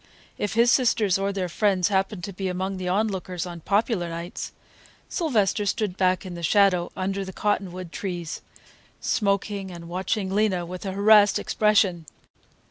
If his sisters or their friends happened to be among the onlookers on "popular nights," Sylvester stood back in the shadow under the cottonwood trees, smoking and watching Lena with a harassed expression.